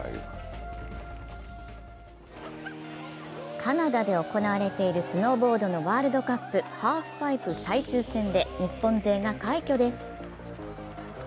カナダで行われているスノーボードのワールドカップ、ハーフパイプ最終戦で日本勢が快挙です。